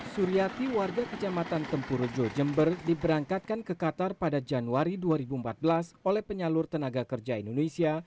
suryati warga kecamatan tempurjo jember diberangkatkan ke qatar pada januari dua ribu empat belas oleh penyalur tenaga kerja indonesia